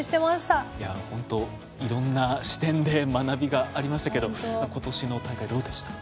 ほんといろんな視点で学びがありましたけど今年の大会どうでした？